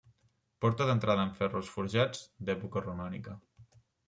Porta d'entrada amb ferros forjats, d'època romànica.